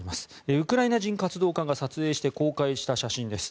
ウクライナ人活動家が撮影して公開した写真です